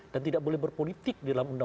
dan tidak boleh berpolitik